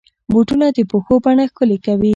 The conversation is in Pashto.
بوټونه د پښو بڼه ښکلي کوي.